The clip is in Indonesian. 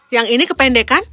yang ini kependekan